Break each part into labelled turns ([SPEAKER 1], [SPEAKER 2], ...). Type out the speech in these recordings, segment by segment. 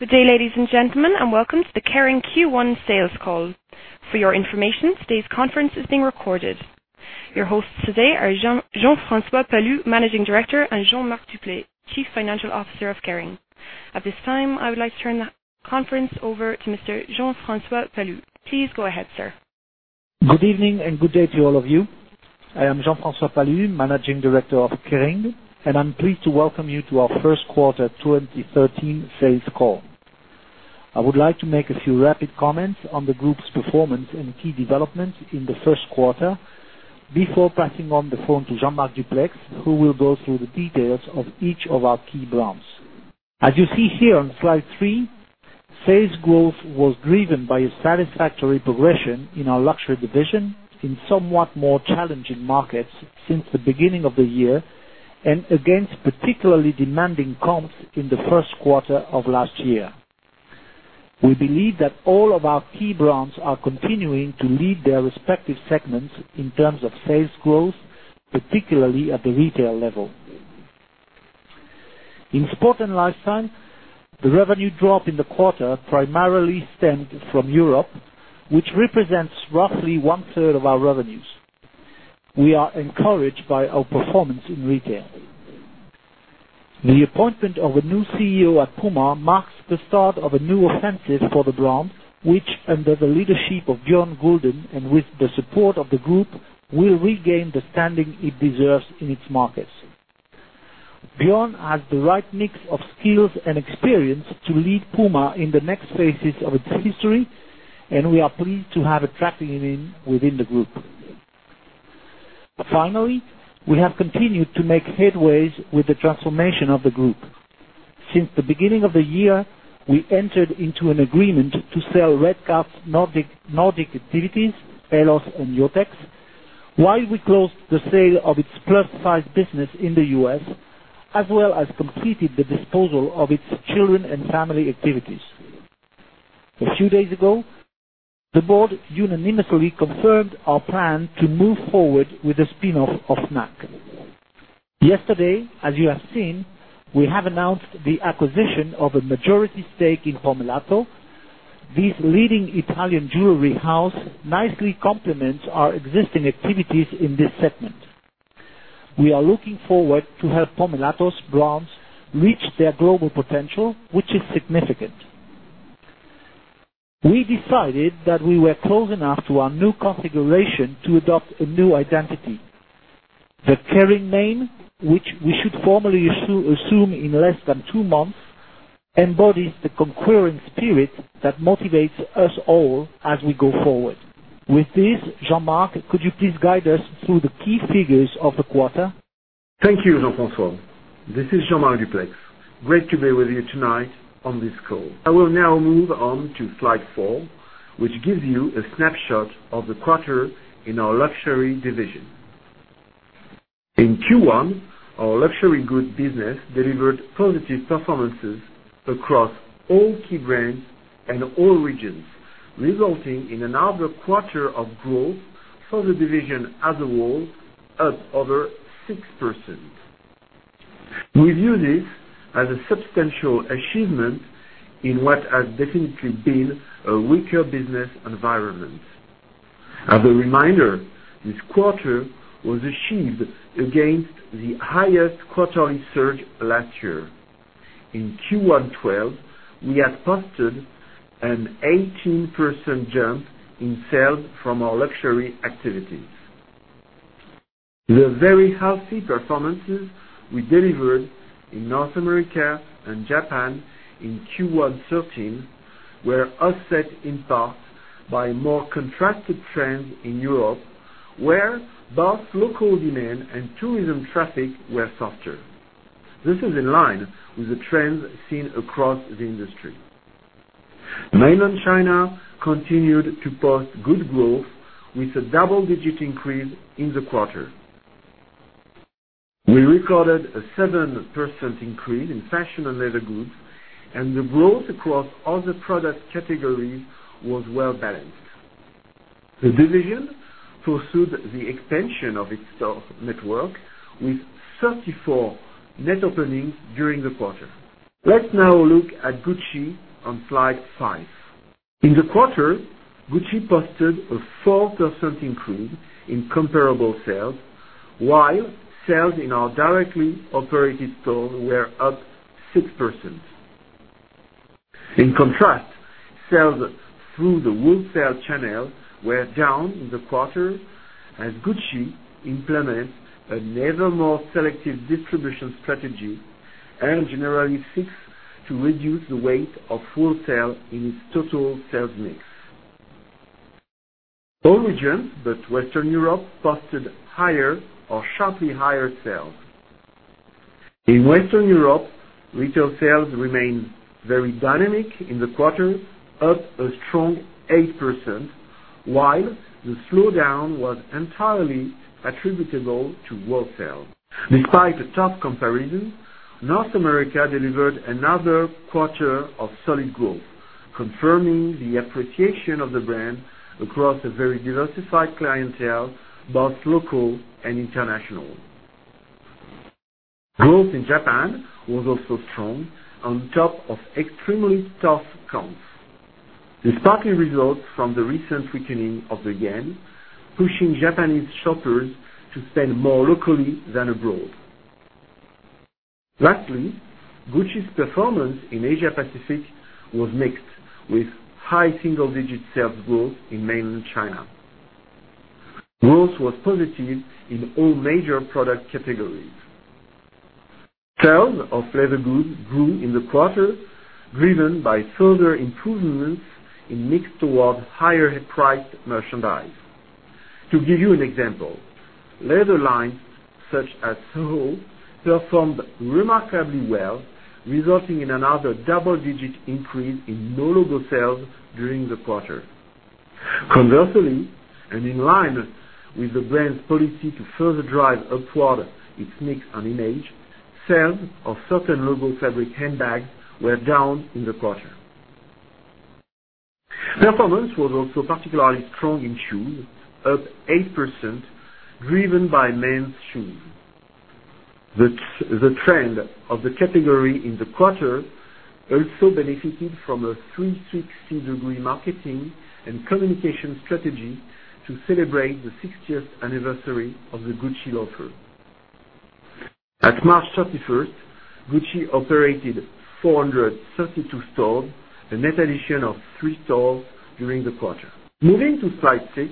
[SPEAKER 1] Good day, ladies and gentlemen. Welcome to the Kering Q1 sales call. For your information, today's conference is being recorded. Your hosts today are Jean-François Palus, Managing Director, and Jean-Marc Duplaix, Chief Financial Officer of Kering. At this time, I would like to turn the conference over to Mr. Jean-François Palus. Please go ahead, sir.
[SPEAKER 2] Good evening. Good day to all of you. I am Jean-François Palus, Managing Director of Kering, and I'm pleased to welcome you to our first quarter 2013 sales call. I would like to make a few rapid comments on the group's performance and key developments in the first quarter before passing on the phone to Jean-Marc Duplaix, who will go through the details of each of our key brands. As you see here on slide three, sales growth was driven by a satisfactory progression in our luxury division in somewhat more challenging markets since the beginning of the year, against particularly demanding comps in the first quarter of last year. We believe that all of our key brands are continuing to lead their respective segments in terms of sales growth, particularly at the retail level. In sport and lifestyle, the revenue drop in the quarter primarily stemmed from Europe, which represents roughly one-third of our revenues. We are encouraged by our performance in retail. The appointment of a new CEO at Puma marks the start of a new offensive for the brand, which under the leadership of Bjørn Gulden and with the support of the group, will regain the standing it deserves in its markets. Bjørn has the right mix of skills and experience to lead Puma in the next phases of its history, we are pleased to have attracted him within the group. Finally, we have continued to make headways with the transformation of the group. Since the beginning of the year, we entered into an agreement to sell Redcats Nordic activities, Ellos and Jotex, while we closed the sale of its plus-size business in the U.S., as well as completed the disposal of its children and family activities. A few days ago, the board unanimously confirmed our plan to move forward with the spin-off of FNAC. Yesterday, as you have seen, we have announced the acquisition of a majority stake in Pomellato. This leading Italian jewelry house nicely complements our existing activities in this segment. We are looking forward to have Pomellato's brands reach their global potential, which is significant. We decided that we were close enough to our new configuration to adopt a new identity. The Kering name, which we should formally assume in less than two months, embodies the conquering spirit that motivates us all as we go forward. With this, Jean-Marc, could you please guide us through the key figures of the quarter?
[SPEAKER 3] Thank you, Jean-François. This is Jean-Marc Duplaix. Great to be with you tonight on this call. I will now move on to slide four, which gives you a snapshot of the quarter in our luxury division. In Q1, our luxury goods business delivered positive performances across all key brands and all regions, resulting in another quarter of growth for the division as a whole, up over 6%. We view this as a substantial achievement in what has definitely been a weaker business environment. As a reminder, this quarter was achieved against the highest quarterly surge last year. In Q1 2012, we had posted an 18% jump in sales from our luxury activities. The very healthy performances we delivered in North America and Japan in Q1 2013 were offset in part by more contracted trends in Europe, where both local demand and tourism traffic were softer. This is in line with the trends seen across the industry. Mainland China continued to post good growth with a double-digit increase in the quarter. We recorded a 7% increase in fashion and leather goods, and the growth across other product categories was well-balanced. The division pursued the extension of its store network with 34 net openings during the quarter. Let's now look at Gucci on slide five. In the quarter, Gucci posted a 4% increase in comparable sales, while sales in our directly operated stores were up 6%. In contrast, sales through the wholesale channel were down in the quarter as Gucci implements an ever more selective distribution strategy and generally seeks to reduce the weight of wholesale in its total sales mix. All regions but Western Europe posted higher or sharply higher sales. In Western Europe, retail sales remained very dynamic in the quarter, up a strong 8%, while the slowdown was entirely attributable to wholesale. Despite a tough comparison, North America delivered another quarter of solid growth, confirming the appreciation of the brand across a very diversified clientele, both local and international. Growth in Japan was also strong on top of extremely tough comps. This partly results from the recent weakening of the yen, pushing Japanese shoppers to spend more locally than abroad. Lastly, Gucci's performance in Asia Pacific was mixed, with high single-digit sales growth in Mainland China. Growth was positive in all major product categories. Sales of leather goods grew in the quarter, driven by further improvements in mix towards higher-priced merchandise. To give you an example, leather lines such as Soho performed remarkably well, resulting in another double-digit increase in low logo sales during the quarter. Conversely, in line with the brand's policy to further drive upwards its mix and image, sales of certain logo fabric handbags were down in the quarter. Performance was also particularly strong in shoes, up 8%, driven by men's shoes. The trend of the category in the quarter also benefited from a 360-degree marketing and communication strategy to celebrate the 60th anniversary of the Gucci loafer. At March 31st, Gucci operated 432 stores, a net addition of three stores during the quarter. Moving to slide six,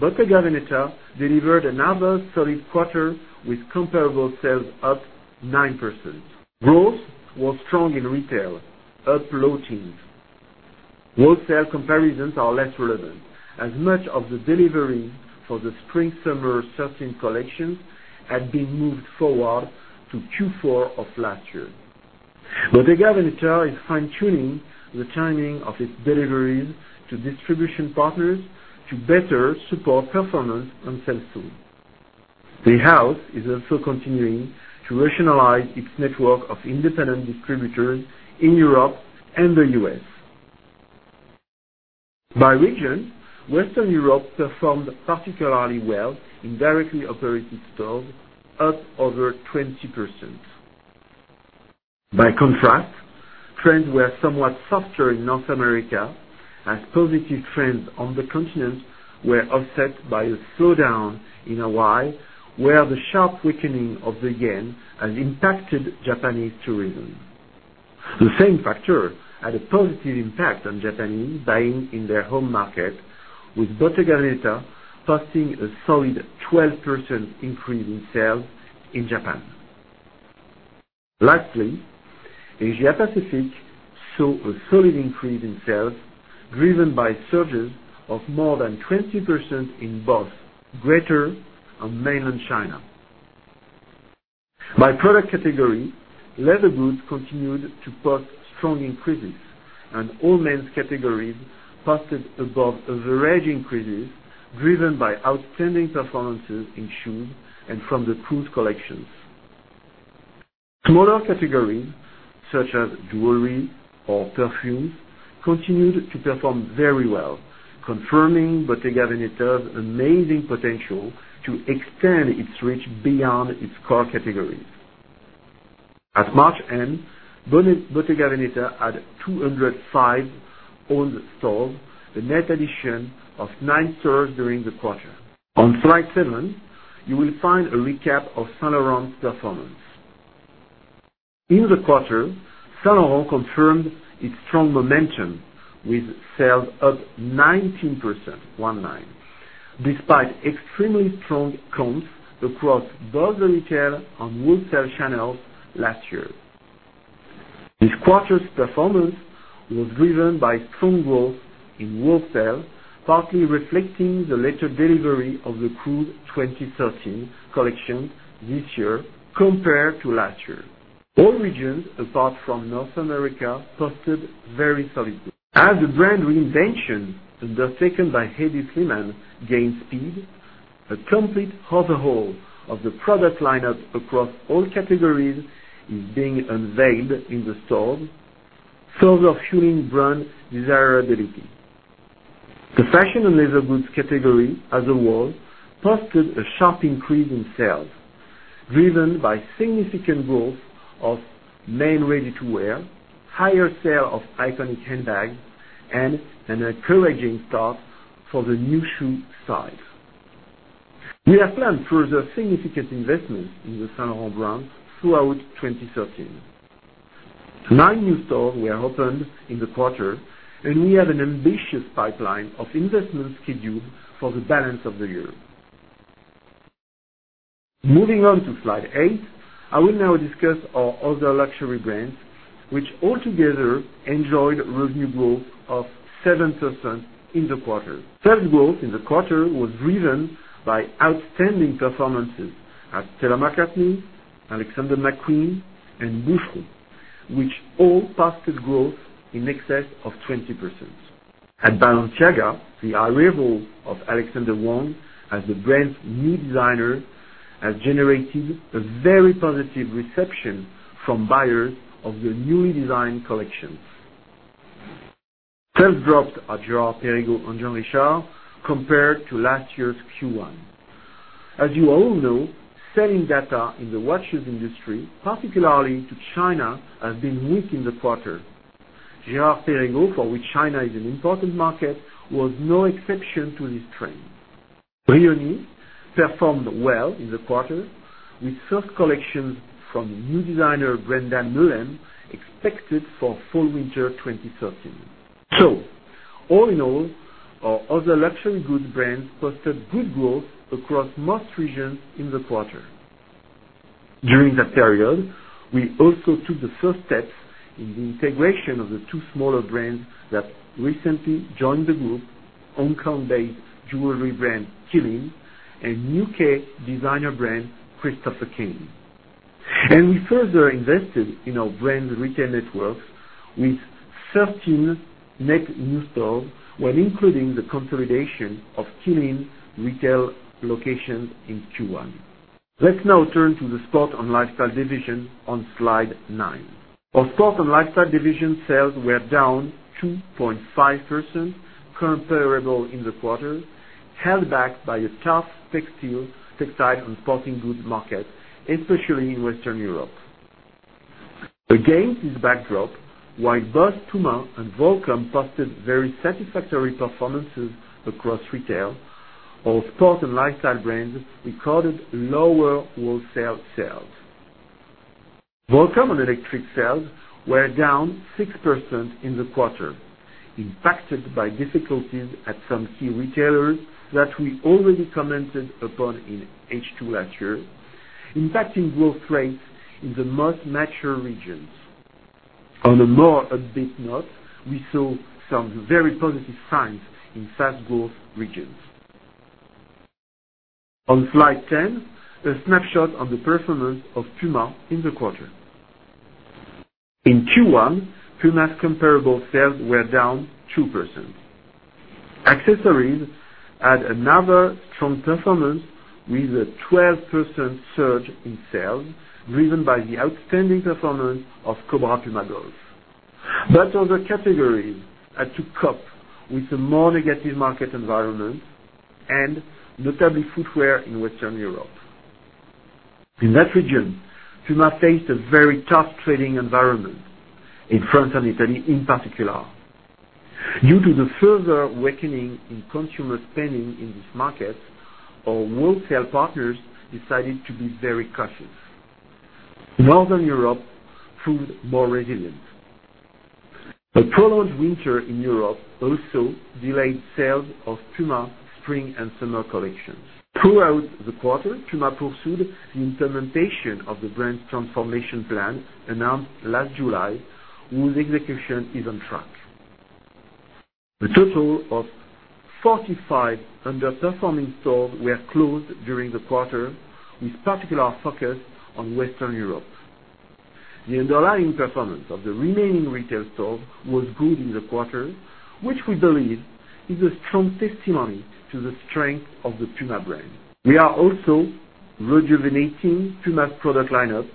[SPEAKER 3] Bottega Veneta delivered another solid quarter with comparable sales up 9%. Growth was strong in retail, up low teens. Wholesale comparisons are less relevant as much of the delivery for the spring/summer 2013 collection had been moved forward to Q4 of last year. Bottega Veneta is fine-tuning the timing of its deliveries to distribution partners to better support performance and sell-through. The house is also continuing to rationalize its network of independent distributors in Europe and the U.S. By region, Western Europe performed particularly well in directly operated stores, up over 20%. By contrast, trends were somewhat softer in North America as positive trends on the continent were offset by a slowdown in Hawaii, where the sharp weakening of the JPY has impacted Japanese tourism. The same factor had a positive impact on Japanese buying in their home market, with Bottega Veneta posting a solid 12% increase in sales in Japan. Lastly, Asia Pacific saw a solid increase in sales, driven by surges of more than 20% in both Greater and Mainland China. By product category, leather goods continued to post strong increases, and all men's categories posted above-average increases, driven by outstanding performances in shoes and from the cruise collections. Smaller categories such as jewelry or perfumes continued to perform very well, confirming Bottega Veneta's amazing potential to extend its reach beyond its core categories. At March end, Bottega Veneta had 205 owned stores, a net addition of nine stores during the quarter. On slide seven, you will find a recap of Saint Laurent's performance. In the quarter, Saint Laurent confirmed its strong momentum with sales up 19%, one-nine, despite extremely strong comps across both the retail and wholesale channels last year. This quarter's performance was driven by strong growth in wholesale, partly reflecting the later delivery of the Cruise 2013 collection this year compared to last year. All regions, apart from North America, posted very solid growth. As the brand reinvention undertaken by Hedi Slimane gains speed, a complete overhaul of the product lineup across all categories is being unveiled in the stores, further fueling brand desirability. The fashion and leather goods category as a whole posted a sharp increase in sales, driven by significant growth of men ready-to-wear, higher sale of iconic handbags, and an encouraging start for the new shoe styles. We have planned further significant investments in the Saint Laurent brand throughout 2013. Nine new stores were opened in the quarter, and we have an ambitious pipeline of investments scheduled for the balance of the year. Moving on to slide eight, I will now discuss our other Luxury brands, which altogether enjoyed revenue growth of 7% in the quarter. Sales growth in the quarter was driven by outstanding performances at Stella McCartney, Alexander McQueen, and Boucheron, which all posted growth in excess of 20%. At Balenciaga, the arrival of Alexander Wang as the brand's new designer has generated a very positive reception from buyers of the newly designed collections. Sales dropped at Girard-Perregaux and JeanRichard compared to last year's Q1. As you all know, selling data in the watches industry, particularly to China, has been weak in the quarter. Girard-Perregaux, for which China is an important market, was no exception to this trend. Brioni performed well in the quarter with first collections from new designer Brendan Mullane expected for fall/winter 2013. All in all, our other luxury goods brands posted good growth across most regions in the quarter. During the period, we also took the first steps in the integration of the two smaller brands that recently joined the group, Hong Kong-based jewelry brand, Qeelin, and U.K. designer brand, Christopher Kane. We further invested in our brands' retail networks with 13 net new stores, when including the consolidation of Qeelin retail locations in Q1. Let's now turn to the sport and lifestyle division on slide nine. Our sport and lifestyle division sales were down 2.5% comparable in the quarter, held back by a tough textile and sporting goods market, especially in Western Europe. Against this backdrop, while both Puma and Volcom posted very satisfactory performances across retail, our sport and lifestyle brands recorded lower wholesale sales. Volcom and Electric sales were down 6% in the quarter, impacted by difficulties at some key retailers that we already commented upon in H2 last year, impacting growth rates in the most mature regions. On a more upbeat note, we saw some very positive signs in fast growth regions. On slide 10, a snapshot of the performance of Puma in the quarter. In Q1, Puma's comparable sales were down 2%. Accessories had another strong performance with a 12% surge in sales, driven by the outstanding performance of Cobra Puma Golf. Other categories had to cope with a more negative market environment and notably footwear in Western Europe. In that region, Puma faced a very tough trading environment, in France and Italy in particular. Due to the further weakening in consumer spending in this market, our wholesale partners decided to be very cautious. Northern Europe proved more resilient. A prolonged winter in Europe also delayed sales of Puma spring and summer collections. Throughout the quarter, Puma pursued the implementation of the brand transformation plan announced last July, whose execution is on track. A total of 45 underperforming stores were closed during the quarter, with particular focus on Western Europe. The underlying performance of the remaining retail stores was good in the quarter, which we believe is a strong testimony to the strength of the Puma brand. We are also rejuvenating Puma's product lineup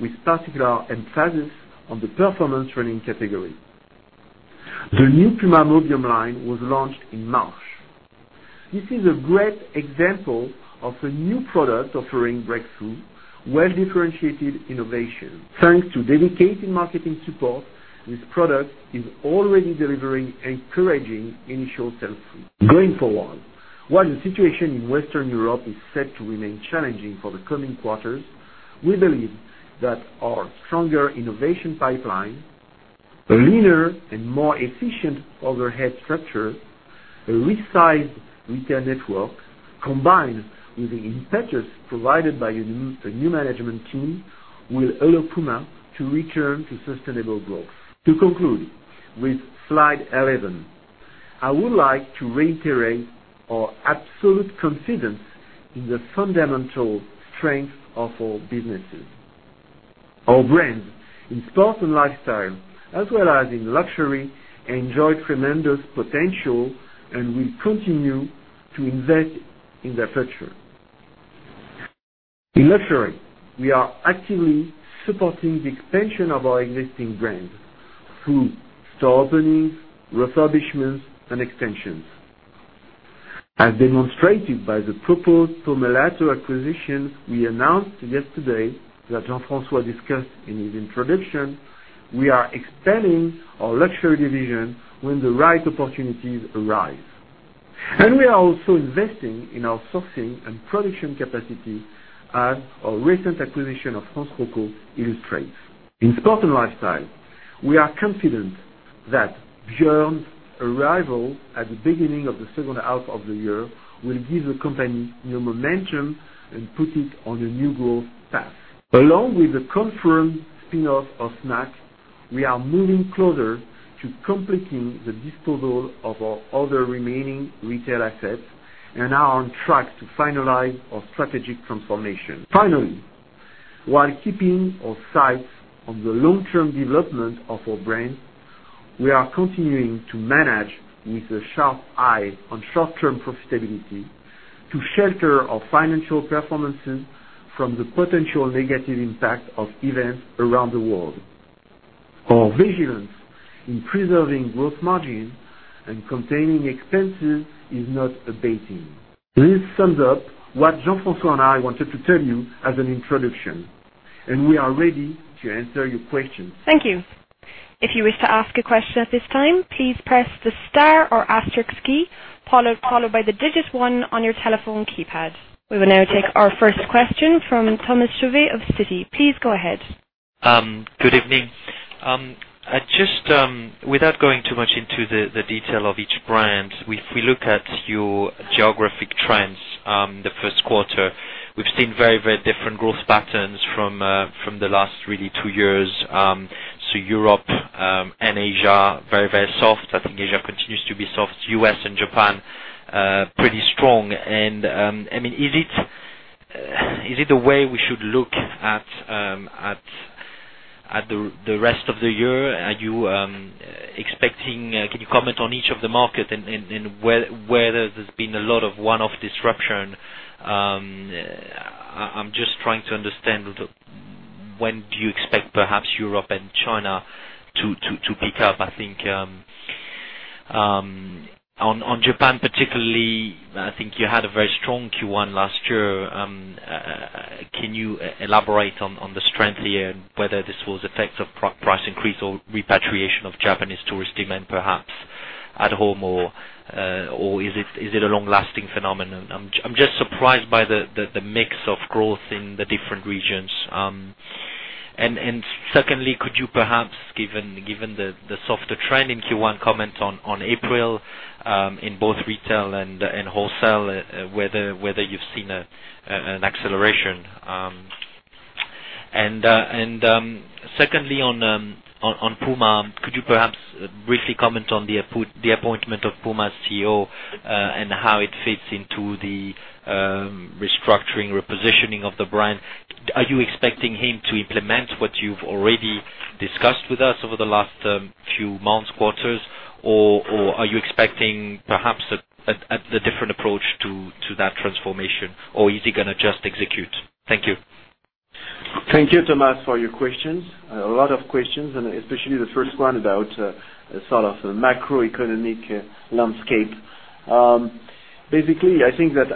[SPEAKER 3] with particular emphasis on the performance running category. The new Puma Mobium line was launched in March. This is a great example of a new product offering breakthrough, well-differentiated innovation. Thanks to dedicated marketing support, this product is already delivering encouraging initial sales. Going forward, while the situation in Western Europe is set to remain challenging for the coming quarters, we believe that our stronger innovation pipeline, a leaner and more efficient overhead structure, a resized retail network, combined with the impetus provided by a new management team, will allow Puma to return to sustainable growth. To conclude with slide 11, I would like to reiterate our absolute confidence in the fundamental strength of our businesses. Our brands in sport and lifestyle, as well as in luxury, enjoy tremendous potential and we continue to invest in their future. In luxury, we are actively supporting the expansion of our existing brands through store openings, refurbishments, and extensions. As demonstrated by the proposed Pomellato acquisition we announced yesterday, that Jean-François discussed in his introduction, we are expanding our luxury division when the right opportunities arise. We are also investing in our sourcing and production capacity as our recent acquisition of [inaudible] illustrates. In sport and lifestyle, we are confident that Bjørn's arrival at the beginning of the second half of the year will give the company new momentum and put it on a new growth path. Along with the confirmed spin-off of FNAC, we are moving closer to completing the disposal of our other remaining retail assets and are on track to finalize our strategic transformation. Finally, while keeping our sights on the long-term development of our brands, we are continuing to manage with a sharp eye on short-term profitability to shelter our financial performances from the potential negative impact of events around the world. Our vigilance in preserving gross margin and containing expenses is not abating. This sums up what Jean-François and I wanted to tell you as an introduction, and we are ready to answer your questions.
[SPEAKER 1] Thank you. If you wish to ask a question at this time, please press the star or asterisk key, followed by the digit one on your telephone keypad. We will now take our first question from Thomas Chauvet of Citi. Please go ahead.
[SPEAKER 4] Good evening. Without going too much into the detail of each brand, if we look at your geographic trends, the first quarter, we've seen very different growth patterns from the last really two years. Europe and Asia, very soft. I think Asia continues to be soft. U.S. and Japan pretty strong. Is it the way we should look at the rest of the year? Can you comment on each of the market and where there's been a lot of one-off disruption? I'm just trying to understand when do you expect perhaps Europe and China to pick up? I think on Japan particularly, I think you had a very strong Q1 last year. Can you elaborate on the strength here and whether this was effects of price increase or repatriation of Japanese tourist demand perhaps at home, or is it a long-lasting phenomenon? I'm just surprised by the mix of growth in the different regions. Secondly, could you perhaps, given the softer trend in Q1, comment on April, in both retail and wholesale, whether you've seen an acceleration? Secondly, on Puma, could you perhaps briefly comment on the appointment of Puma's CEO, and how it fits into the restructuring, repositioning of the brand? Are you expecting him to implement what you've already discussed with us over the last few months, quarters, or are you expecting perhaps a different approach to that transformation, or is he going to just execute? Thank you.
[SPEAKER 3] Thank you, Thomas, for your questions. A lot of questions, especially the first one about sort of macroeconomic landscape. I think that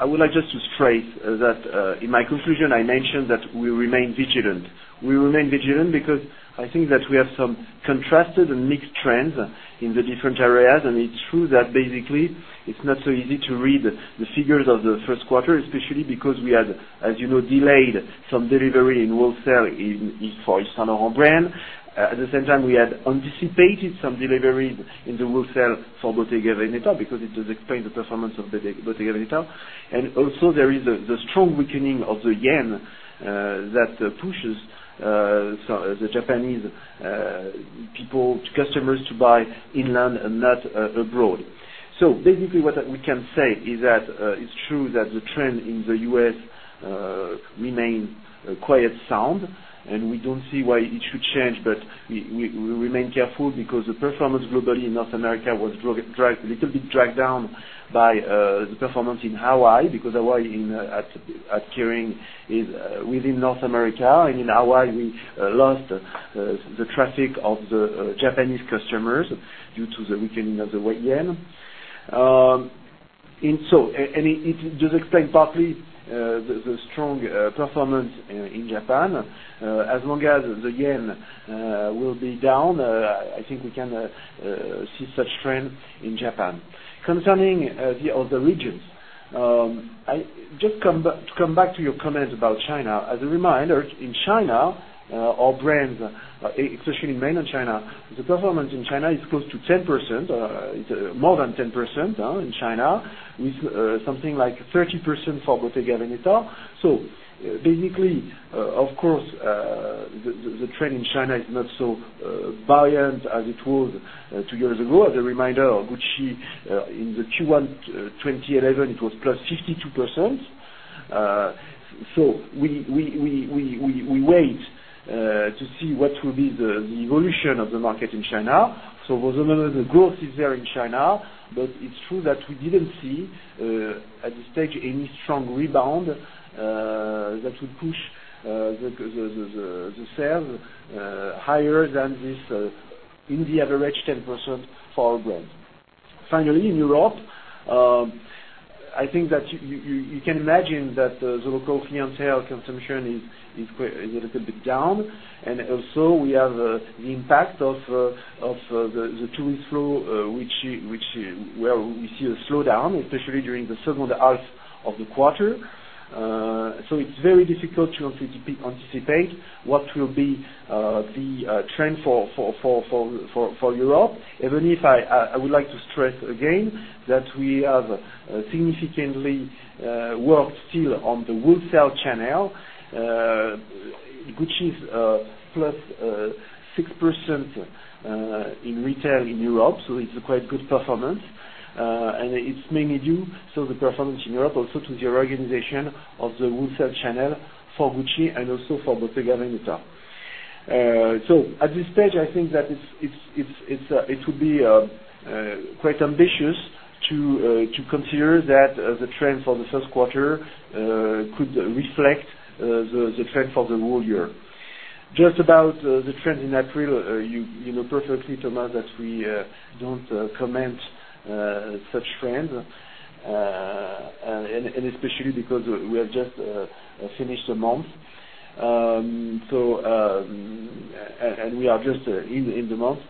[SPEAKER 3] I would like just to stress that, in my conclusion, I mentioned that we remain vigilant. We remain vigilant because I think that we have some contrasted and mixed trends in the different areas, and it's true that basically it's not so easy to read the figures of the first quarter, especially because we had, as you know, delayed some delivery in wholesale for Saint Laurent brand. At the same time, we had anticipated some deliveries in the wholesale for Bottega Veneta because it does explain the performance of the Bottega Veneta. Also there is the strong weakening of the yen, that pushes the Japanese customers to buy inland and not abroad. Basically what we can say is that it's true that the trend in the U.S. remains quite sound, and we don't see why it should change. We remain careful because the performance globally in North America was a little bit dragged down by the performance in Hawaii because Hawaii at Kering is within North America, and in Hawaii, we lost the traffic of the Japanese customers due to the weakening of the yen. It does explain partly the strong performance in Japan. As long as the yen will be down, I think we can see such trend in Japan. Concerning the other regions, just come back to your comments about China. As a reminder, in China, our brands, especially in mainland China, the performance in China is close to 10%, more than 10% in China, with something like 30% for Bottega Veneta. Basically, of course, the trend in China is not so buoyant as it was two years ago. As a reminder, Gucci, in the Q1 2011, it was +52%. We wait to see what will be the evolution of the market in China. The growth is there in China, but it's true that we didn't see, at this stage, any strong rebound that would push the sales higher than this, in the average 10% for our brands. Finally, in Europe, I think that you can imagine that the local clientele consumption is a little bit down, and also we have the impact of the tourist flow, where we see a slowdown, especially during the second half of the quarter. It's very difficult to anticipate what will be the trend for Europe, even if I would like to stress again that we have significantly worked still on the wholesale channel. Gucci is plus 6% in retail in Europe, so it's a quite good performance. It's mainly due, so the performance in Europe also to the reorganization of the wholesale channel for Gucci and also for Bottega Veneta. At this stage, I think that it would be quite ambitious to consider that the trend for the first quarter could reflect the trend for the whole year. Just about the trend in April, you know perfectly, Thomas, that we don't comment such trends, especially because we have just finished the month. We are just in the month.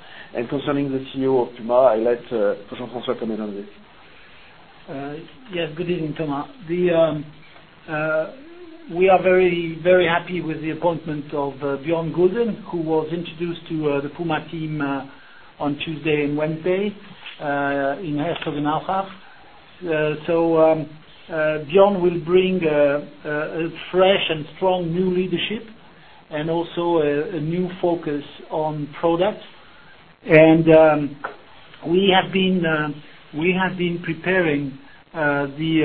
[SPEAKER 3] Concerning the CEO of Puma, I let François-Henri comment on this.
[SPEAKER 2] Yes. Good evening, Thomas. We are very happy with the appointment of Bjørn Gulden, who was introduced to the Puma team on Tuesday and Wednesday in Herzogenaurach. Bjørn will bring a fresh and strong new leadership and also a new focus on products. We have been preparing the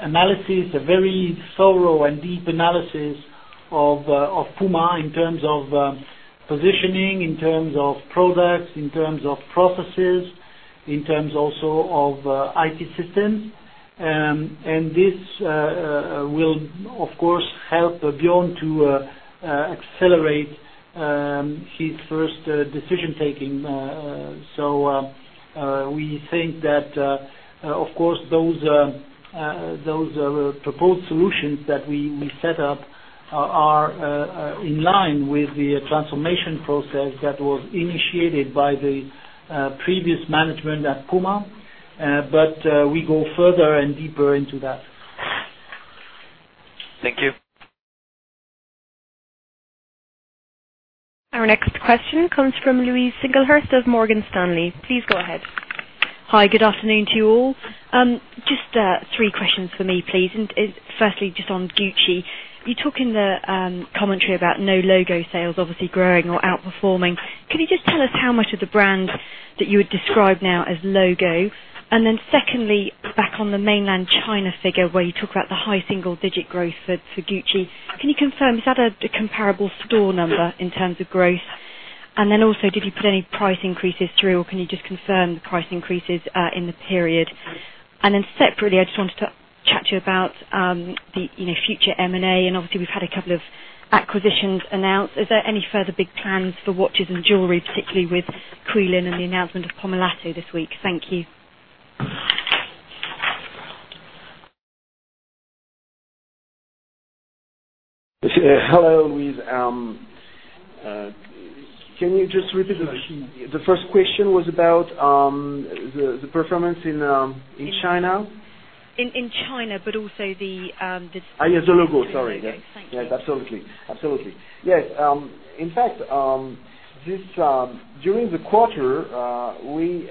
[SPEAKER 2] analysis, a very thorough and deep analysis of Puma in terms of positioning, in terms of products, in terms of processes, in terms also of IT systems. This will, of course, help Bjørn to accelerate his first decision-taking. We think that, of course, those proposed solutions that we set up are in line with the transformation process that was initiated by the previous management at Puma. We go further and deeper into that.
[SPEAKER 4] Thank you.
[SPEAKER 1] Our next question comes from Louise Singlehurst of Morgan Stanley. Please go ahead.
[SPEAKER 5] Hi. Good afternoon to you all. Just three questions for me, please. Firstly, just on Gucci, you talk in the commentary about no logo sales, obviously growing or outperforming. Can you just tell us how much of the brand that you would describe now as logo? Secondly, back on the mainland China figure where you talk about the high single-digit growth for Gucci, can you confirm, is that a comparable store number in terms of growth? Also, did you put any price increases through, or can you just confirm the price increases in the period? Separately, I just wanted to chat to you about the future M&A, and obviously, we've had a couple of acquisitions announced. Is there any further big plans for watches and jewelry, particularly with Qeelin and the announcement of Pomellato this week? Thank you.
[SPEAKER 3] Hello, Louise. Can you just repeat? The first question was about the performance in China?
[SPEAKER 5] In China, but also the-
[SPEAKER 3] Yes, the logo, sorry.
[SPEAKER 5] Thank you.
[SPEAKER 3] Yes, absolutely. Yes. In fact, during the quarter, we've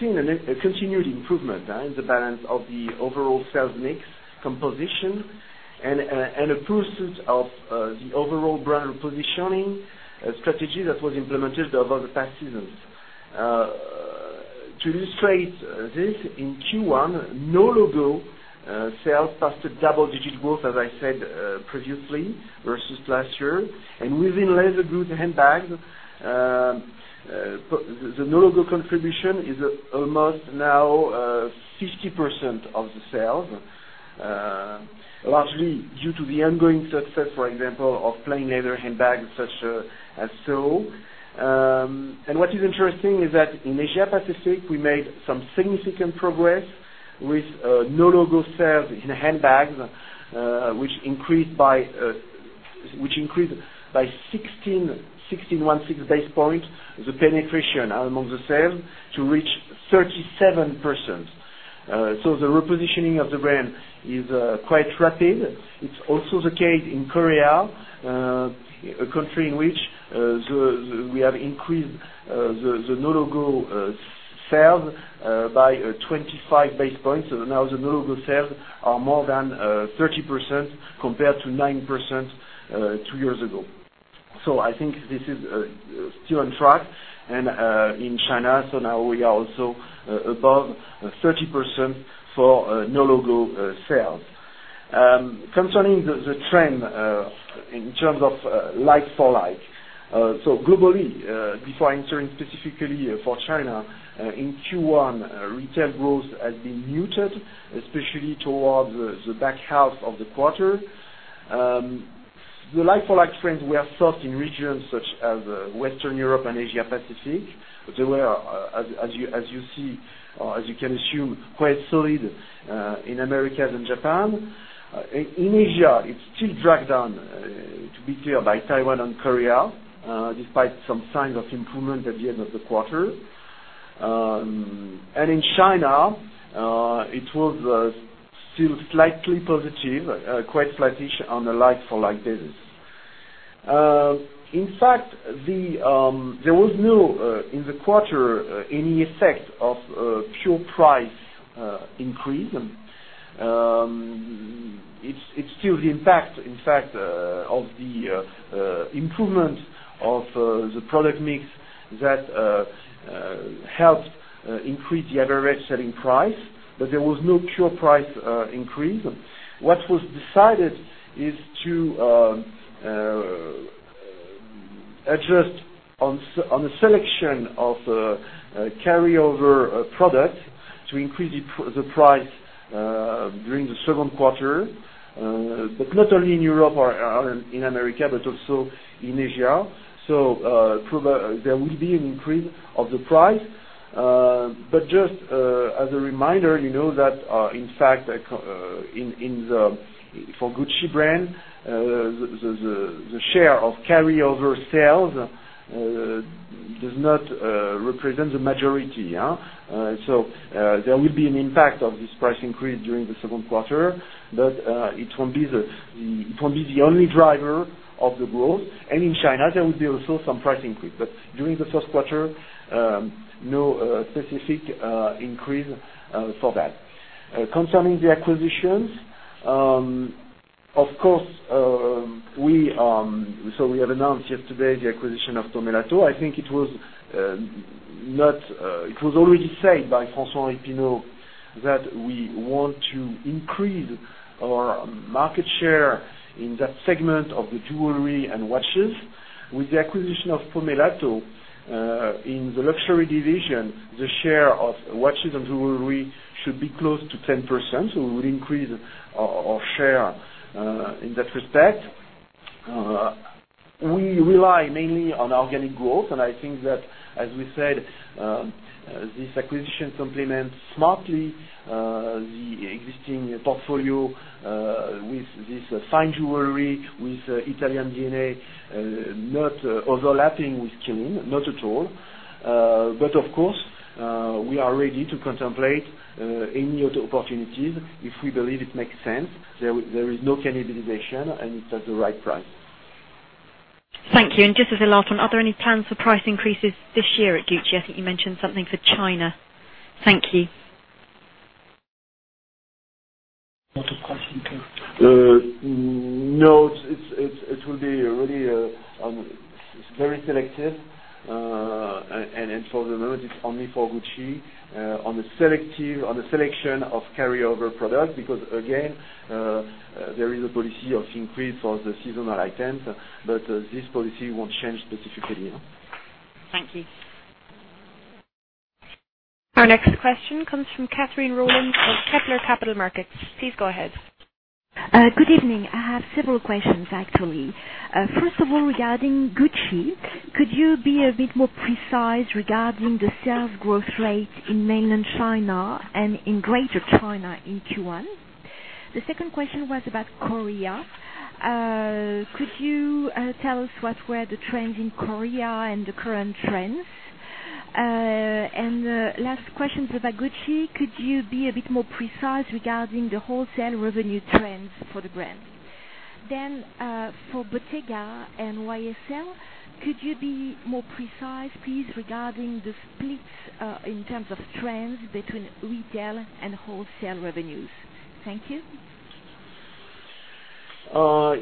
[SPEAKER 3] seen a continued improvement in the balance of the overall sales mix composition and a pursuit of the overall brand repositioning strategy that was implemented over the past seasons. To illustrate this, in Q1, no logo sales passed a double-digit growth, as I said previously, versus last year. Within leather goods and handbags, the no logo contribution is almost now 50% of the sales, largely due to the ongoing success, for example, of plain leather handbags such as Soho. What is interesting is that in Asia Pacific, we made some significant progress with no logo sales in handbags which increased by 1,616 basis points, the penetration among the sales to reach 37%. The repositioning of the brand is quite rapid. It's also the case in Korea, a country in which we have increased the no logo sales by 25 basis points. Now the no logo sales are more than 30% compared to 9% two years ago. I think this is still on track. In China, now we are also above 30% for no logo sales. Concerning the trend in terms of like-for-like. Globally, before answering specifically for China, in Q1, retail growth has been muted, especially towards the back half of the quarter. The like-for-like trends were soft in regions such as Western Europe and Asia Pacific. They were, as you can assume, quite solid in Americas and Japan. In Asia, it's still dragged down, to be clear, by Taiwan and Korea, despite some signs of improvement at the end of the quarter. In China, it was still slightly positive, quite flattish on a like-for-like basis. In fact, there was no, in the quarter, any effect of pure price increase. It's still the impact, in fact, of the improvement of the product mix that helped increase the average selling price, but there was no pure price increase. What was decided is to adjust on the selection of carryover products to increase the price during the second quarter, but not only in Europe or in America, but also in Asia. There will be an increase of the price. Just as a reminder, that for Gucci brand, the share of carryover sales does not represent the majority. There will be an impact of this price increase during the second quarter, but it won't be the only driver of the growth. In China, there will be also some price increase. During the first quarter, no specific increase for that. Concerning the acquisitions, we have announced yesterday the acquisition of Pomellato. I think it was already said by François-Henri Pinault that we want to increase our market share in that segment of the jewelry and watches. With the acquisition of Pomellato, in the luxury division, the share of watches and jewelry should be close to 10%, we will increase our share in that respect. We rely mainly on organic growth, and I think that, as we said, this acquisition complements smartly the existing portfolio with this fine jewelry, with Italian DNA, not overlapping with Kering. Not at all. Of course, we are ready to contemplate any other opportunities if we believe it makes sense. There is no cannibalization, and it's at the right price.
[SPEAKER 5] Thank you. Just as a last one, are there any plans for price increases this year at Gucci? I think you mentioned something for China. Thank you.
[SPEAKER 3] No, it will be really very selective, and for the moment it's only for Gucci on the selection of carryover products, because again there is a policy of increase for the seasonal items, but this policy won't change specifically.
[SPEAKER 5] Thank you.
[SPEAKER 1] Our next question comes from Catherine Roland of Kepler Capital Markets. Please go ahead.
[SPEAKER 6] Good evening. I have several questions, actually. First of all, regarding Gucci, could you be a bit more precise regarding the sales growth rate in mainland China and in greater China in Q1? The second question was about Korea. Could you tell us what were the trends in Korea and the current trends? Last question about Gucci, could you be a bit more precise regarding the wholesale revenue trends for the brand? For Bottega and YSL, could you be more precise, please, regarding the splits in terms of trends between retail and wholesale revenues? Thank you.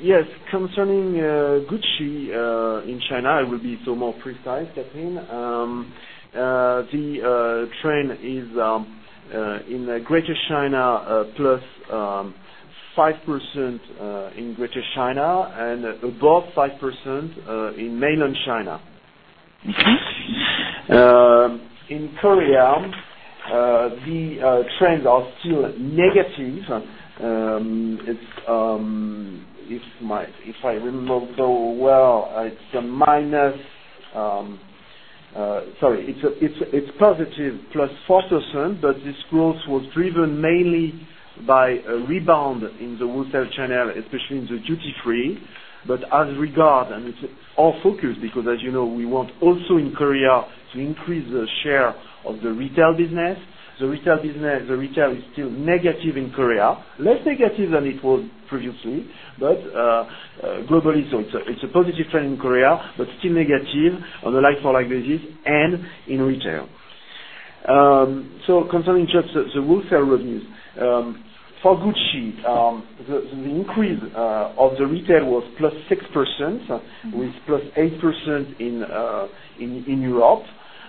[SPEAKER 3] Yes. Concerning Gucci in China, I will be more precise, Catherine. The trend is in greater China, +5% in greater China and above 5% in mainland China. In Korea, the trends are still negative. If I remember so well, it's positive, +4%, but this growth was driven mainly by a rebound in the wholesale channel, especially in the duty free. As regard, and it's our focus because as you know, we want also in Korea to increase the share of the retail business. The retail is still negative in Korea, less negative than it was previously, but globally. It's a positive trend in Korea, but still negative on the like-for-like basis and in retail. Concerning just the wholesale revenues, for Gucci, the increase of the retail was +6%, with +8% in Europe.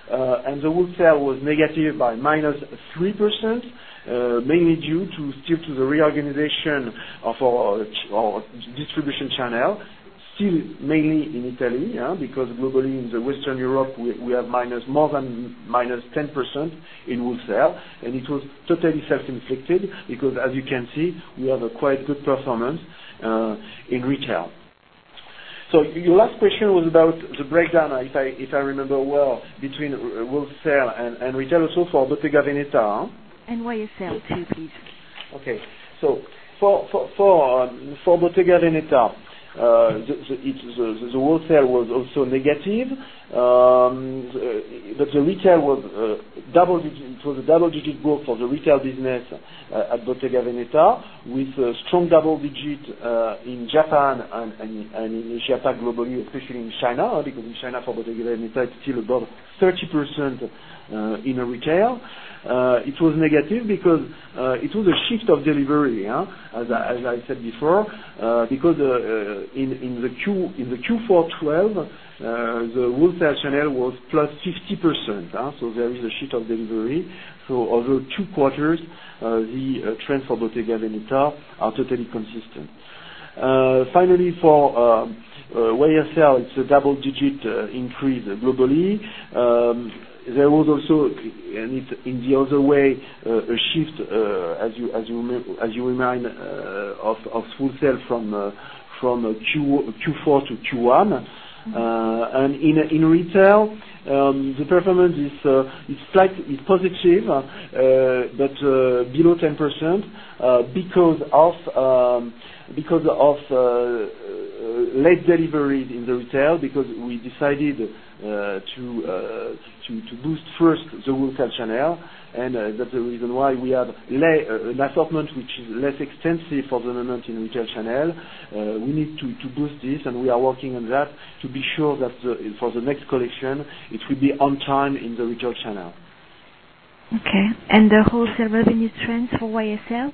[SPEAKER 3] The wholesale was negative by -3%, mainly due still to the reorganization of our distribution channel, still mainly in Italy. In Western Europe, we have more than -10% in wholesale, and it was totally self-inflicted because as you can see, we have a quite good performance in retail. Your last question was about the breakdown, if I remember well, between wholesale and retail also for Bottega Veneta.
[SPEAKER 6] YSL too, please.
[SPEAKER 3] Okay. For Bottega Veneta, the wholesale was also negative. It was a double-digit growth for the retail business at Bottega Veneta, with strong double digits in Japan and in Asia Pacific globally, especially in China, because in China, for Bottega Veneta, it's still above 30% in retail. It was negative because it was a shift of delivery, as I said before, because in the Q4 2012, the wholesale channel was +60%. There is a shift of delivery. Over two quarters, the trends for Bottega Veneta are totally consistent. Finally, for YSL, it's a double-digit increase globally. There was also, in the other way, a shift, as you remind, of wholesale from Q4 to Q1. In retail, the performance is positive, but below 10%, because of late deliveries in retail, because we decided to boost first the wholesale channel. That's the reason why we have an assortment which is less extensive for the moment in retail channel. We need to boost this, we are working on that to be sure that for the next collection, it will be on time in the retail channel.
[SPEAKER 6] Okay, the wholesale revenue trends for YSL,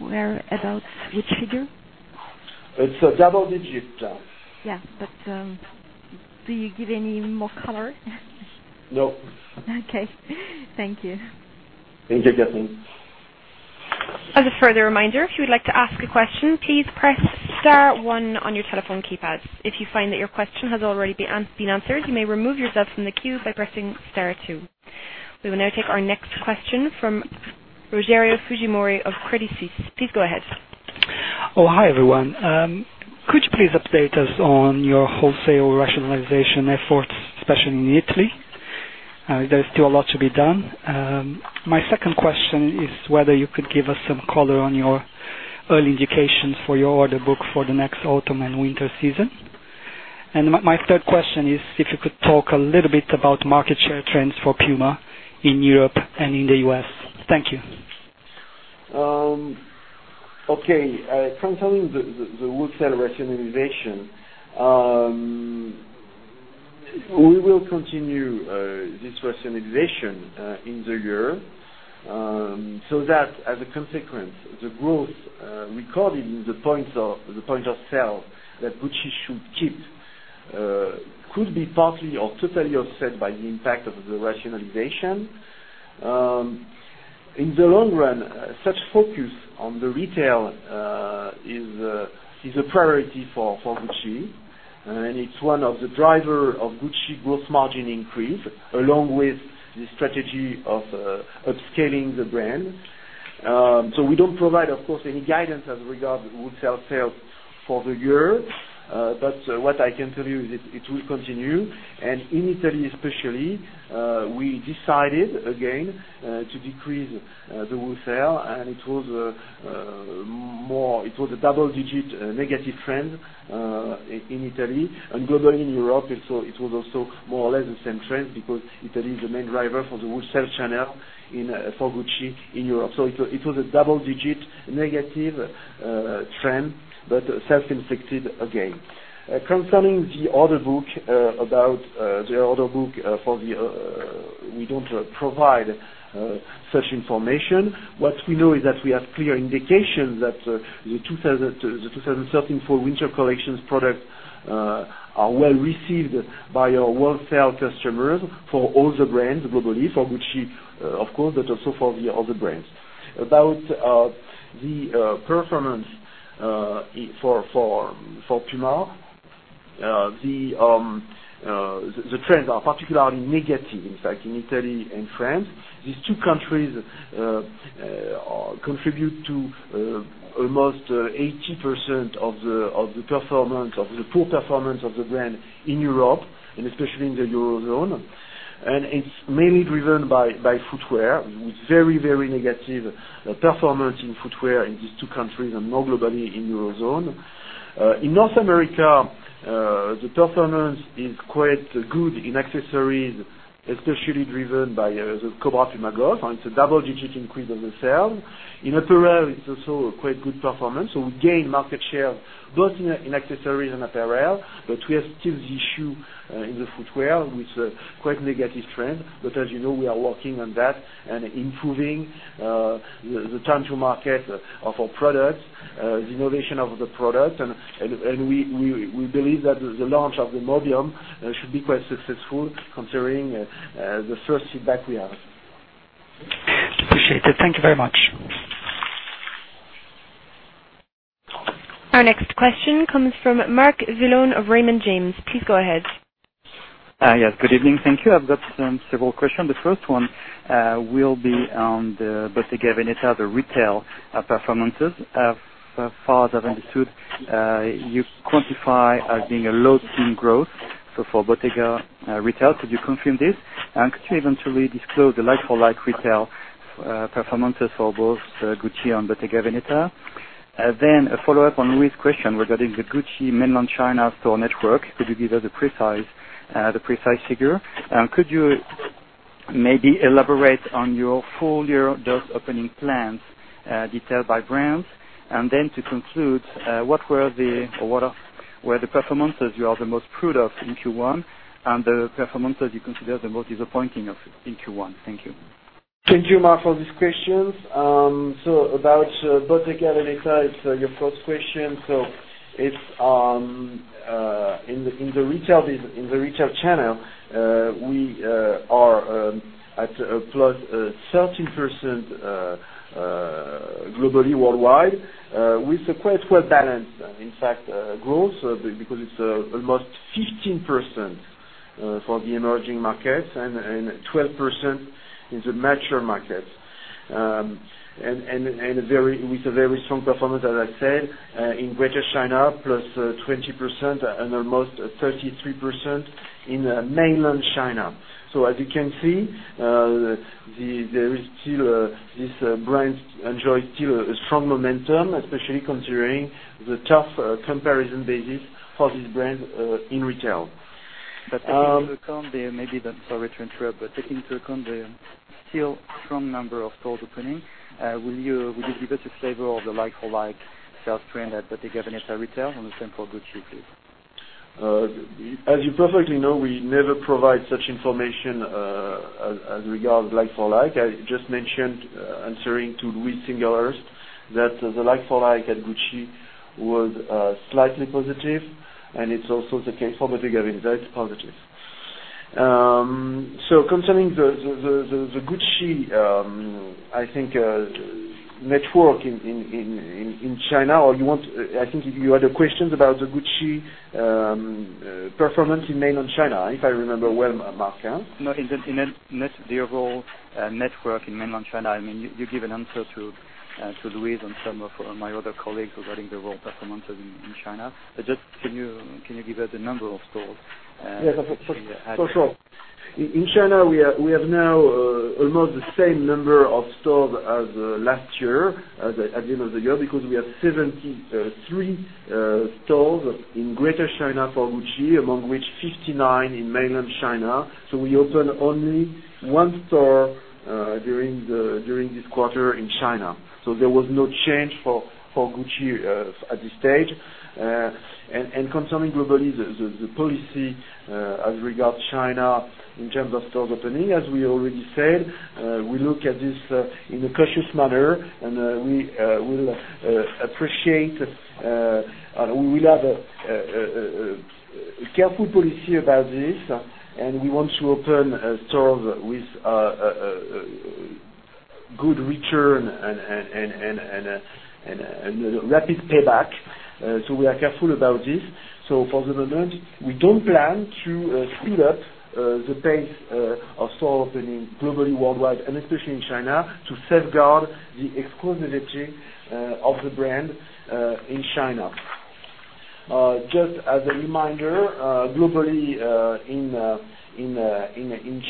[SPEAKER 6] were about which figure?
[SPEAKER 3] It's double digits.
[SPEAKER 6] Yeah, do you give any more color?
[SPEAKER 3] No.
[SPEAKER 6] Okay. Thank you.
[SPEAKER 3] Thank you, Catherine.
[SPEAKER 1] As a further reminder, if you would like to ask a question, please press star one on your telephone keypads. If you find that your question has already been answered, you may remove yourself from the queue by pressing star two. We will now take our next question from Rogerio Fujimori of Credit Suisse. Please go ahead.
[SPEAKER 7] Hi, everyone. Could you please update us on your wholesale rationalization efforts, especially in Italy? There's still a lot to be done. My second question is whether you could give us some color on your early indications for your order book for the next autumn and winter season. My third question is if you could talk a little bit about market share trends for Puma in Europe and in the U.S. Thank you.
[SPEAKER 3] Okay. Concerning the wholesale rationalization, we will continue this rationalization in the year, so that as a consequence, the growth recorded in the point of sale that Gucci should keep could be partly or totally offset by the impact of the rationalization. In the long run, such focus on retail is a priority for Gucci, and it's one of the driver of Gucci growth margin increase, along with the strategy of upscaling the brand. We don't provide, of course, any guidance as regard wholesale sales for the year. What I can tell you is it will continue. In Italy, especially, we decided again to decrease the wholesale, and it was a double-digit negative trend in Italy and globally in Europe. It was also more or less the same trend because Italy is the main driver for the wholesale channel for Gucci in Europe. It was a double-digit negative trend, but self-inflicted again. Concerning the order book, we don't provide such information. What we know is that we have clear indications that the 2013 fall-winter collections products are well received by our wholesale customers for all the brands globally, for Gucci of course, but also for the other brands. The trends are particularly negative, in fact, in Italy and France. These two countries contribute to almost 80% of the poor performance of the brand in Europe, and especially in the Eurozone. It's mainly driven by footwear, with very negative performance in footwear in these two countries, and more globally in Eurozone. In North America, the performance is quite good in accessories, especially driven by the Cobra Puma Golf. It's a double-digit increase of the sale. In apparel, it's also a quite good performance. We gain market share both in accessories and apparel, but we have still the issue in the footwear with a quite negative trend. As you know, we are working on that and improving the time to market of our products, the innovation of the product, and we believe that the launch of the Mobium should be quite successful considering the first feedback we have.
[SPEAKER 7] Appreciate it. Thank you very much.
[SPEAKER 1] Our next question comes from Marc Zullon of Raymond James. Please go ahead.
[SPEAKER 8] Yes, good evening. Thank you. I've got several questions. The first one will be on the Bottega Veneta, the retail performances. As far as I've understood, you quantify as being a low-teen growth. For Bottega retail, could you confirm this? Could you even really disclose the like-for-like retail performances for both Gucci and Bottega Veneta? A follow-up on Louise' question regarding the Gucci Mainland China store network. Could you give us the precise figure? Could you maybe elaborate on your full-year store opening plans, detailed by brands? To conclude, what were the performances you are the most proud of in Q1, and the performances you consider the most disappointing in Q1? Thank you.
[SPEAKER 3] Thank you, Marc, for these questions. About Bottega Veneta, it's your first question. In the retail channel, we are at a +13% globally worldwide, with a quite well-balanced, in fact, growth, because it's almost 15% for the emerging markets and 12% in the mature markets. With a very strong performance, as I said, in Greater China, +20% and almost 33% in Mainland China. As you can see, this brand enjoys still a strong momentum, especially considering the tough comparison basis for this brand in retail.
[SPEAKER 8] Taking into account the, Sorry to interrupt, taking into account the still strong number of stores opening, would you give us a flavor of the like-for-like sales trend at Bottega Veneta retail and the same for Gucci, please?
[SPEAKER 3] As you perfectly know, we never provide such information as regard like-for-like. I just mentioned, answering to Louise first, that the like-for-like at Gucci was slightly positive. It's also the case for Bottega Veneta, it's positive. Concerning the Gucci network in China, or I think you had a question about the Gucci performance in Mainland China, if I remember well, Marc.
[SPEAKER 8] The overall network in Mainland China. You gave an answer to Louise and some of my other colleagues regarding the store performances in China. Just, can you give us a number of stores?
[SPEAKER 3] Yes, for sure. In China, we have now almost the same number of stores as last year, at the end of the year, because we have 73 stores in Greater China for Gucci, among which 59 in Mainland China. We opened only one store during this quarter in China. There was no change for Gucci at this stage. Concerning globally, the policy as regards China in terms of store opening, as we already said, we look at this in a cautious manner, and we will have a careful policy about this, and we want to open stores with good return and rapid payback. We are careful about this. For the moment, we don't plan to speed up the pace of store opening globally, worldwide, and especially in China, to safeguard the exclusivity of the brand in China. Just as a reminder, globally in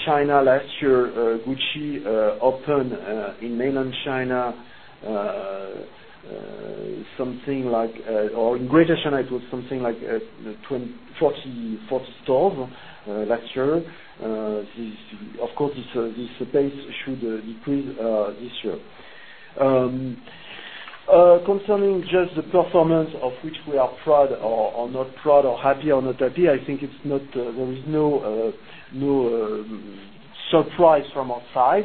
[SPEAKER 3] China last year, Gucci opened in Mainland China something like, or in Greater China, it was something like 40 stores last year. Of course, this pace should decrease this year. Concerning just the performance of which we are proud or not proud, or happy or not happy, I think there is no surprise from outside.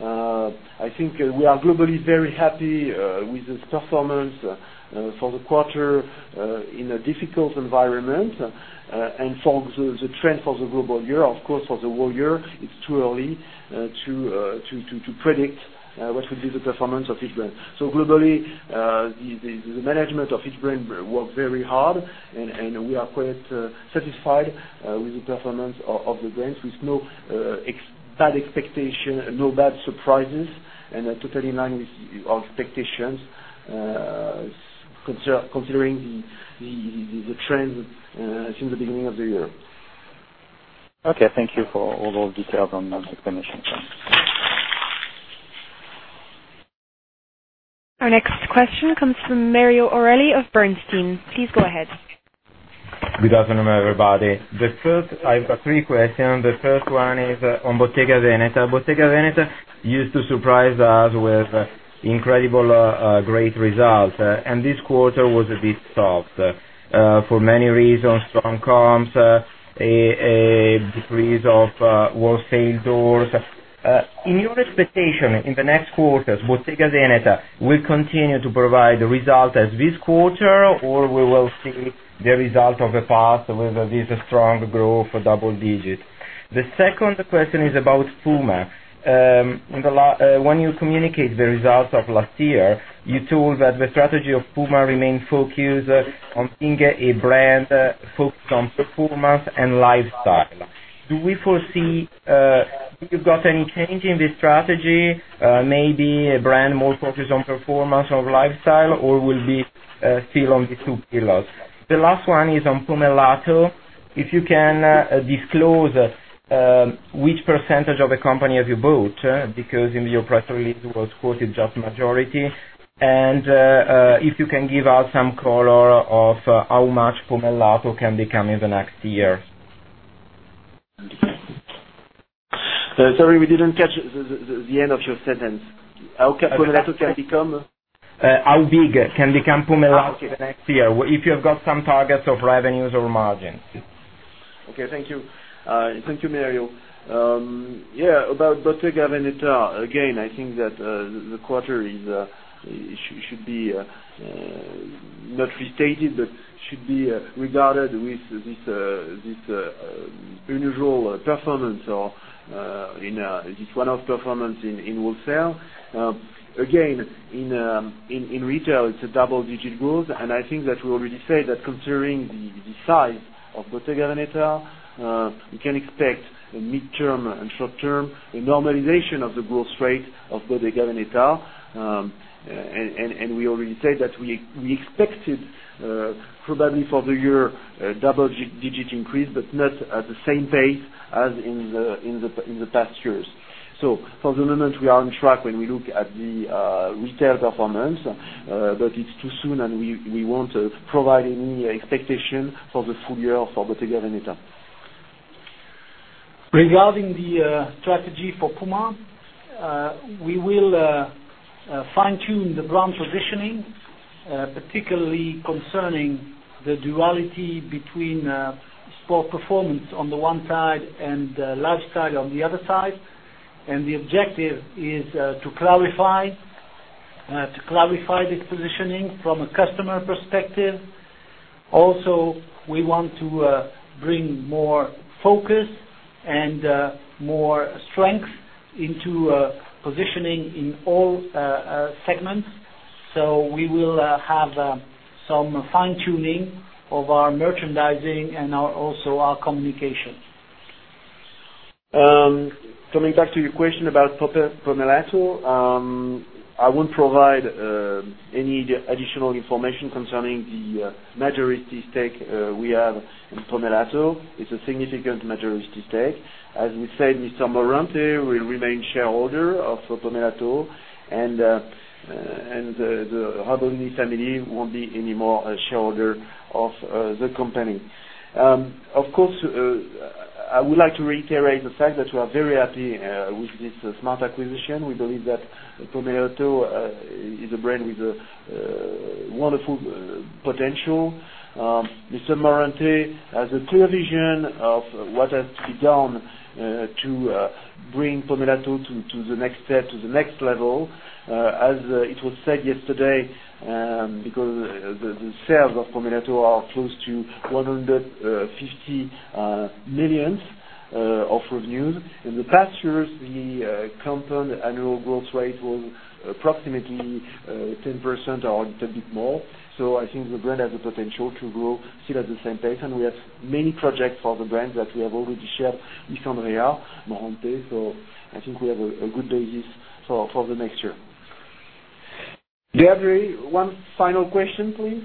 [SPEAKER 3] I think we are globally very happy with this performance for the quarter in a difficult environment. For the trend for the global year, of course, for the whole year, it's too early to predict what will be the performance of each brand. Globally, the management of each brand worked very hard, and we are quite satisfied with the performance of the brands, with no bad expectation, no bad surprises, and totally in line with our expectations considering the trend since the beginning of the year.
[SPEAKER 8] Thank you for all those details on that explanation.
[SPEAKER 1] Our next question comes from Mario Ortelli of Bernstein. Please go ahead.
[SPEAKER 9] Good afternoon, everybody. I've got three questions. The first one is on Bottega Veneta. Bottega Veneta used to surprise us with incredible great results, this quarter was a bit soft for many reasons, strong comps, a decrease of world sale doors. In your expectation, in the next quarters, Bottega Veneta will continue to provide the result as this quarter, or we will see the result of the past with this strong growth, double digit? The second question is about Puma. When you communicate the results of last year, you told that the strategy of Puma remained focused on being a brand focused on performance and lifestyle. Do you foresee you've got any change in this strategy? Maybe a brand more focused on performance or lifestyle, or will be still on the two pillars? The last one is on Pomellato. If you can disclose which percentage of the company have you bought, because in your press release it was quoted just majority. If you can give us some color of how much Pomellato can become in the next year.
[SPEAKER 3] Sorry, we didn't catch the end of your sentence. How Pomellato can become?
[SPEAKER 9] How big can become Pomellato next year? If you have got some targets of revenues or margins.
[SPEAKER 3] Okay. Thank you. Thank you, Mario. About Bottega Veneta, again, I think that the quarter should be not restated, but should be regarded with this unusual performance, or this one-off performance in wholesale. Again, in retail, it's a double-digit growth. I think that we already said that considering the size of Bottega Veneta, we can expect a mid-term and short-term, a normalization of the growth rate of Bottega Veneta. We already said that we expected probably for the year, double-digit increase but not at the same pace as in the past years. For the moment we are on track when we look at the retail performance. It's too soon, and we won't provide any expectation for the full year for Bottega Veneta.
[SPEAKER 2] Regarding the strategy for Puma, we will fine-tune the brand positioning, particularly concerning the duality between sport performance on the one side and lifestyle on the other side. The objective is to clarify this positioning from a customer perspective. Also, we want to bring more focus and more strength into positioning in all segments. We will have some fine-tuning of our merchandising and also our communication.
[SPEAKER 3] Coming back to your question about Pomellato. I won't provide any additional information concerning the majority stake we have in Pomellato. It's a significant majority stake. As we said, Mr. Morante will remain shareholder of Pomellato, and the Rabolini family won't be any more a shareholder of the company. Of course, I would like to reiterate the fact that we are very happy with this smart acquisition. We believe that Pomellato is a brand with a wonderful potential. Mr. Morante has a clear vision of what has to be done to bring Pomellato to the next step, to the next level. As it was said yesterday, because the sales of Pomellato are close to 150 million of revenues. In the past years, the compound annual growth rate was approximately 10% or a little bit more. I think the brand has the potential to grow still at the same pace, and we have many projects for the brand that we have already shared with Andrea Morante. I think we have a good basis for the next year.
[SPEAKER 2] Gabri, one final question, please.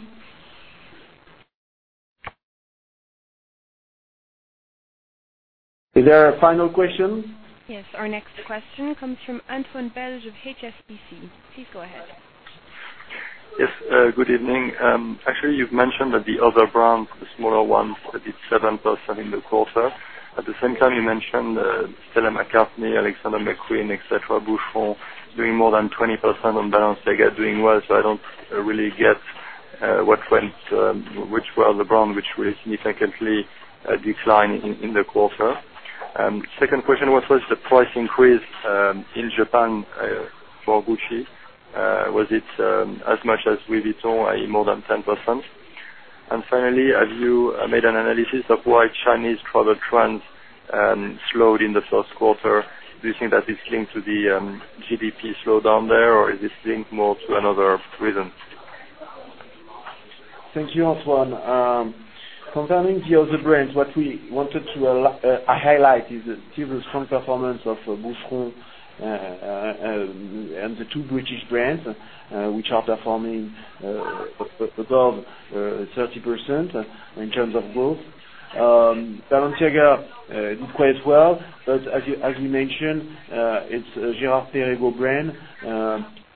[SPEAKER 2] Is there a final question?
[SPEAKER 1] Yes. Our next question comes from Antoine Belge of HSBC. Please go ahead.
[SPEAKER 10] Yes, good evening. Actually, you've mentioned that the other brands, the smaller ones, that did 7% in the quarter. At the same time, you mentioned Stella McCartney, Alexander McQueen, et cetera, Boucheron doing more than 20% on balance, they are doing well. I don't really get which were the brands which significantly declined in the quarter. Second question was the price increase in Japan for Gucci, was it as much as Louis Vuitton, more than 10%? Finally, have you made an analysis of why Chinese travel trends slowed in the first quarter? Do you think that it's linked to the GDP slowdown there, or is this linked more to another reason?
[SPEAKER 3] Thank you, Antoine. Concerning the other brands, what we wanted to highlight is still the strong performance of Boucheron and the two British brands, which are performing above 30% in terms of growth. Balenciaga did quite well, but as you mentioned, it's a Girard-Perregaux brand,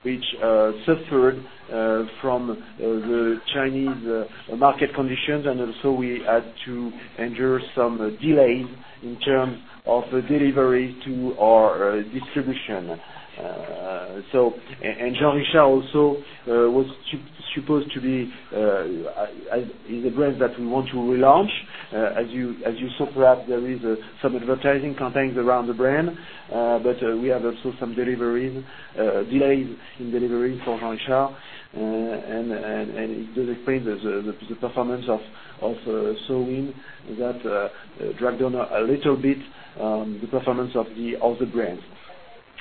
[SPEAKER 3] which suffered from the Chinese market conditions, and also we had to endure some delays in terms of delivery to our distribution. JeanRichard also is a brand that we want to relaunch. As you saw, perhaps there is some advertising campaigns around the brand. We have also some delays in delivery for JeanRichard, and it does explain the performance of Sowind that dragged down a little bit, the performance of the brands.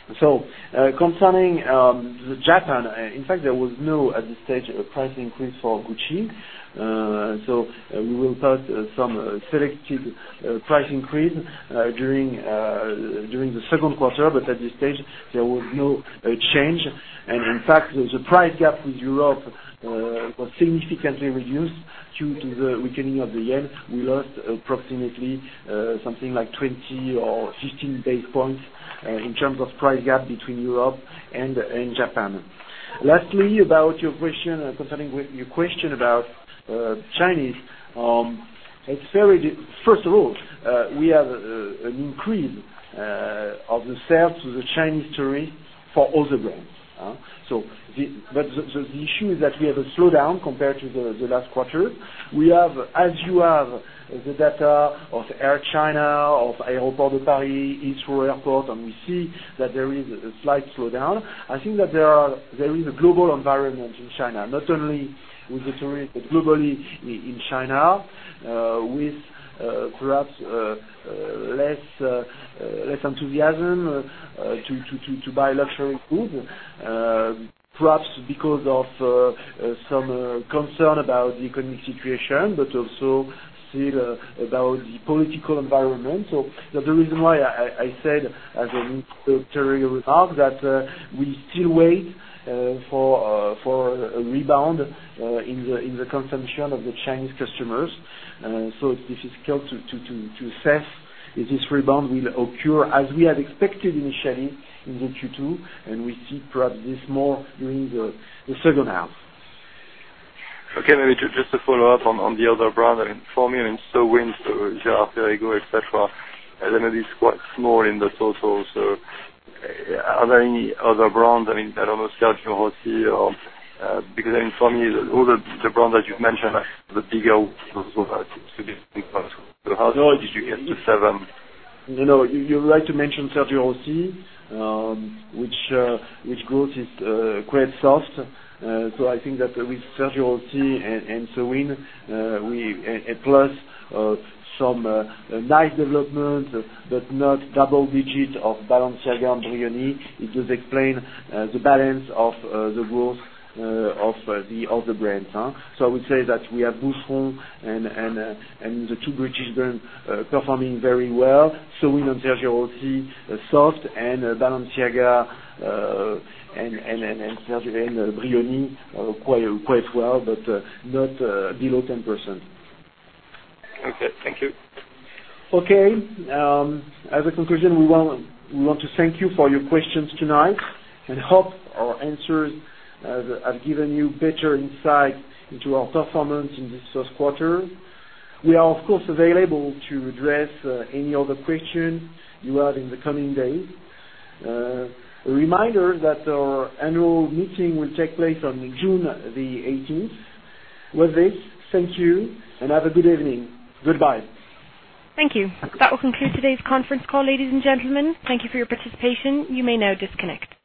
[SPEAKER 3] Concerning Japan, in fact, there was no, at this stage, a price increase for Gucci. We will start some selective price increase during the second quarter, but at this stage, there was no change. In fact, the price gap with Europe was significantly reduced due to the weakening of the JPY. We lost approximately something like 20 or 15 [inaudible] in terms of price gap between Europe and Japan. Lastly, about your question concerning with your question about Chinese. First of all, we have an increase of the sales to the Chinese tourists for all the brands. The issue is that we have a slowdown compared to the last quarter. We have, as you have, the data of Air China, of Aéroports de Paris, Heathrow Airport, and we see that there is a slight slowdown. I think that there is a global environment in China, not only with the tourists, but globally in China, with perhaps less enthusiasm to buy luxury goods, perhaps because of some concern about the economic situation, but also still about the political environment. The reason why I said as an introductory remark that we still wait for a rebound in the consumption of the Chinese customers. It's difficult to assess if this rebound will occur as we had expected initially in the Q2, and we see perhaps this more during the second half.
[SPEAKER 10] Okay. Maybe just to follow up on the other brand. I mean, for me, Sowind Group, Gérard Darel, et cetera, maybe it's quite small in the total. Are there any other brands? I don't know, Sergio Rossi. I mean, for me, all the brands that you've mentioned are the bigger ones. How did you get to seven?
[SPEAKER 3] You're right to mention Sergio Rossi, which growth is quite soft. I think that with Sergio Rossi and Sowind Group, plus some nice development, but not double-digit of Balenciaga and Brioni. It does explain the balance of the growth of the brands. I would say that we have Boucheron and the two British brands performing very well. Sowind Group and Sergio Rossi, soft, and Balenciaga and Brioni quite well, but not below 10%.
[SPEAKER 10] Okay. Thank you.
[SPEAKER 3] Okay. As a conclusion, we want to thank you for your questions tonight and hope our answers have given you better insight into our performance in this first quarter. We are, of course, available to address any other questions you have in the coming days. A reminder that our annual meeting will take place on June the 18th. With this, thank you and have a good evening. Goodbye.
[SPEAKER 1] Thank you. That will conclude today's conference call, ladies and gentlemen. Thank you for your participation. You may now disconnect.